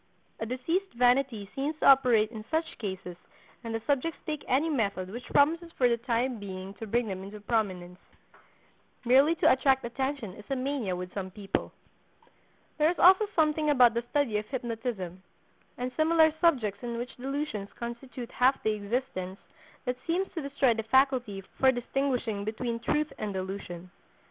A diseased vanity seems to operate in such cases and the subjects take any method which promises for the time being to bring them into prominence. Merely to attract attention is a mania with some people. There is also something about the study of hypnotism, and similar subjects in which delusions constitute half the existence, that seems to destroy the faculty for distinguishing between truth and delusion.